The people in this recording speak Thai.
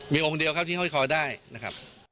มีองค์เดียวครับที่ห้อยคอได้นะครับ